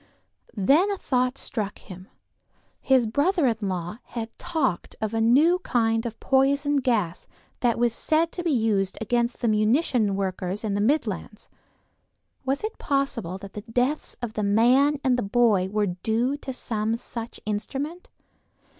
Then a thought struck him; his brother in law had talked of a new kind of poison gas that was said to be used against the munition workers in the Midlands: was it possible that the deaths of the man and the boy were due to some such instrument?